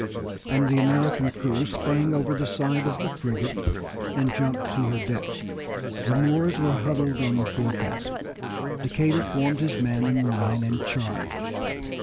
and the American crew sprang over the side of the frigate and jumped to her deck. The Moors were huddled on the forecastle. Decatur formed his men in line and charged.